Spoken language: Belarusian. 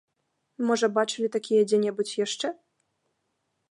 Можа, бачылі такія дзе-небудзь яшчэ?